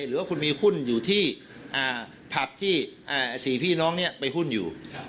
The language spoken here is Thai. หรือว่าคุณมีหุ้นอยู่ที่ผับที่๔พี่น้องนี้ไปหุ้นอยู่